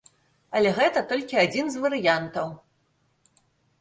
Але гэта толькі адзін з варыянтаў.